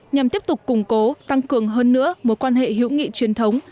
nhằm tiếp tục củng cố tăng cường hơn nữa mối quan hệ hữu nghị truyền thống